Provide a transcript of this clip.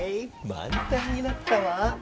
まんタンになったわ。